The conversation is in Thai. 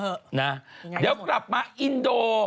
อีนโด